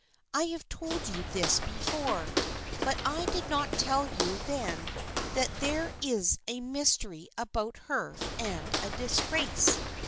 I have told you this before, but I did not tell you then that there is a mystery about her and a disgrace.